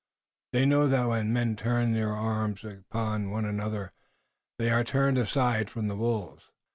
They know that when men turn their arms upon one another they are turned aside from the wolves.